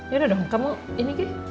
yaudah dong kamu ini